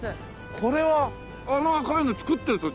これはあの赤いの造ってる途中？